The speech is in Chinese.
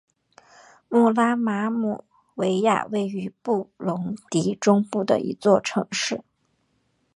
穆拉姆维亚位于布隆迪中部的一座城市。